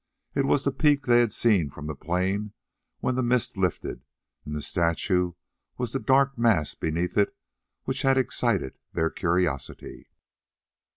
It was the peak that they had seen from the plain when the mist lifted, and the statue was the dark mass beneath it which had excited their curiosity.